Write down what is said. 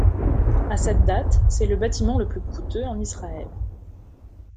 À cette date c'est le bâtiment le plus coûteux en Israël.